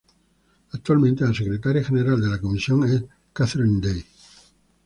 Actualmente la Secretaria General de la Comisión es Catherine Day.